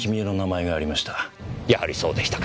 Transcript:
やはりそうでしたか。